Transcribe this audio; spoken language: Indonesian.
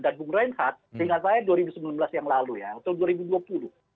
dan bung reinhardt seingat saya dua ribu sembilan belas yang lalu atau dua ribu dua puluh